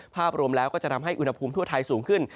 ภาพรวมแล้วก็จะทำให้อุณหภูมิทั่วไทยสูงขึ้น